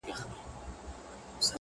د زړگي غوښي مي د شپې خوراك وي ـ